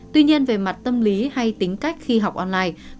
tuy nhiên về mặt tâm lý hay tính cách khi học online